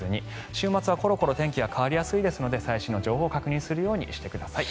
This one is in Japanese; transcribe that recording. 週末はコロコロ天気が変わりやすいので最新の情報を確認するようにしてください。